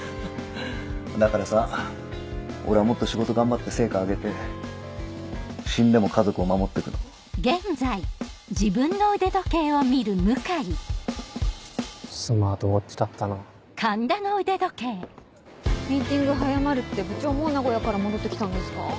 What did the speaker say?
だからさ俺はもっと仕事頑張って成果上げて死んでも家族を守ってくのスマートウオッチだったなミーティング早まるって部長もう名古屋から戻ってきたんですか？